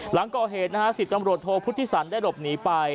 หลังก่อเหตุนะฮะ๑๐ตำรวจโทพุทธิสันได้หลบหนีไป